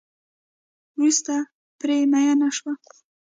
وروسته پرې میېنه شوه.